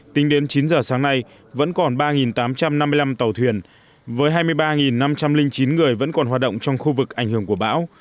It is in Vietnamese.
tính đến chín giờ sáng nay vẫn còn ba tám trăm năm mươi năm tàu thuyền với hai mươi ba năm trăm linh chín người vẫn còn hoạt động trong khu vực ảnh hưởng của bão